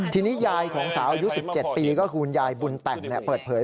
ทีนี้ยายของสาวอายุ๑๗ปีก็คือคุณยายบุญแต่งเปิดเผย